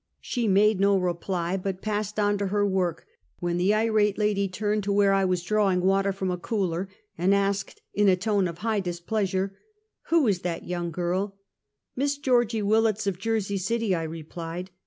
" She made no reply, but passed on to her work, when the irate lady turned to where I was drawing water from a cooler, and asked, in a tone of high displeas ure : "Who is that young girl?" " Miss Georgie Willets, of Jersey City," I replied.